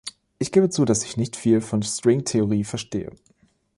Ich gebe zu, dass ich nicht viel von Stringtheorie verstehe.